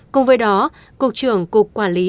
cùng với đó cục trưởng cục quản lý